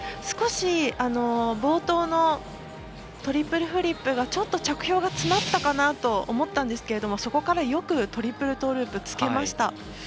少し冒頭のトリプルフリップがちょっと着氷が詰まったかなと思ったんですけれどもそこからよくトリプルトーループつけました。